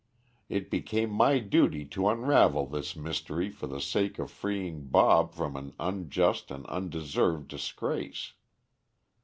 It became my duty to unravel this mystery for the sake of freeing Bob from an unjust and undeserved disgrace.